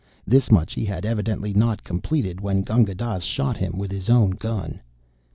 This much he had evidently not completed when Gunga Dass shot him with his own gun.